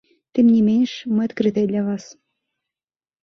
Тым не менш, мы адкрытыя для вас.